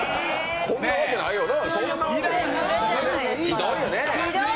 そんなわけないよな。